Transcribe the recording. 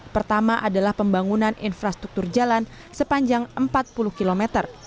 pertama adalah pembangunan infrastruktur jalan sepanjang empat puluh km